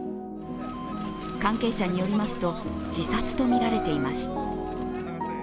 関係者によりますと自殺とみられています。